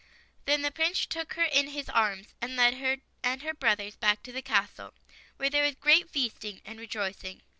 Then the Prince took her in his arms, and led her and her brothers back to the castle, where there was great feasting and rejoic ing.